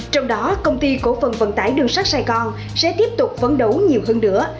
trong đó công ty cổ phần vận tải đường sắt sài gòn sẽ tiếp tục vấn đấu nhiều hơn nữa